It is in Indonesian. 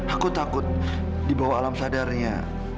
aku takut di bawah alam sadarnya